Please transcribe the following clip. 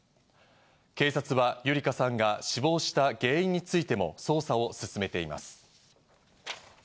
警察は優理香さんが死亡した原因についても捜査を進めています。